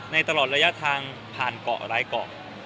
ในตลอดระยะทางผ่านเกาะหลายเกาะ